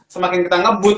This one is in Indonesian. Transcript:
semakin kita ngebut